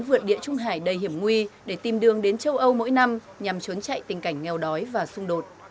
vượt địa trung hải đầy hiểm nguy để tìm đường đến châu âu mỗi năm nhằm trốn chạy tình cảnh nghèo đói và xung đột